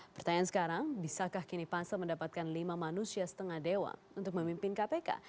pertanyaan sekarang bisakah kini pansel mendapatkan lima manusia setengah dewa untuk memimpin kpk